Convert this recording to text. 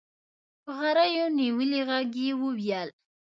په غريو نيولي ږغ يې وويل.